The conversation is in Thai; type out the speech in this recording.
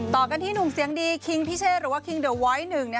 ต่อกันที่หนุ่มเสียงดีคิงพิเชษหรือว่าคิงเดอร์วอยหนึ่ง